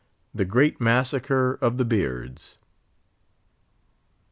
THE GREAT MASSACRE OF THE BEARDS.